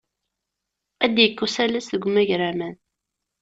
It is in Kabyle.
Ad d-yekk usalas seg umagraman.